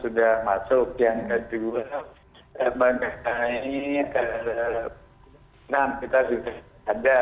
sebagai yang saya ingin kita sudah ada